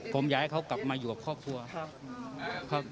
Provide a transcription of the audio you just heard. ผมอยากให้เขากลับมาอยู่กับครอบครัว